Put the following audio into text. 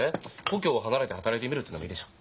故郷を離れて働いてみるってのもいいでしょ？